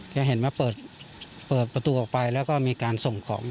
เห็นมาเปิดประตูออกไปแล้วก็มีการส่งของ